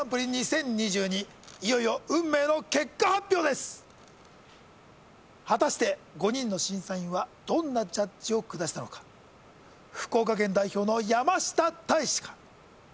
いよいよ運命の結果発表です果たして５人の審査員はどんなジャッジを下したのか福岡県代表の山下泰史か？